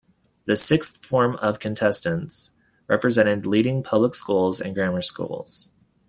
The sixth form contestants represented leading public schools and grammar schools.